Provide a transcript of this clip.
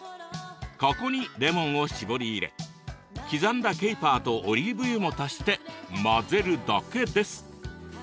ここにレモンを搾り入れ刻んだケイパーとオリーブ油も足して混ぜるだけです。